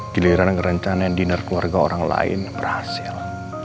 giliran ngerencanain dinner keluarga orang lain berhasil